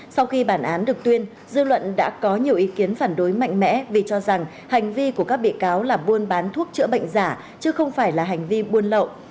sau khi bản án được tuyên dư luận đã có nhiều ý kiến phản đối mạnh mẽ vì cho rằng hành vi của các bị cáo là buôn bán thuốc chữa bệnh giả chứ không phải là hành vi buôn lậu